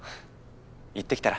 行ってきたら？